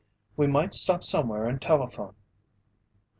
"We might stop somewhere and telephone."